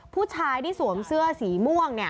ผู้ชายที่สวมเสื้อสีม่วง